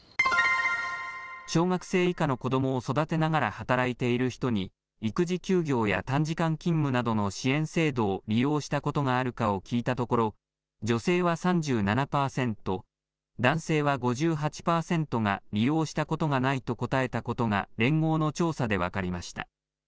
小学生以下の子どもを育てながら働いている人に育児休業や短時間勤務などの支援制度を利用したことがあるかを聞いたところ女性は３７％、男性は５８％が利用したことがないと答えたことが連合の調査で分かりました。